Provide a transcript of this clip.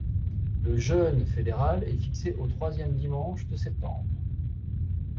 Le Jeûne fédéral est fixé au troisième dimanche de septembre.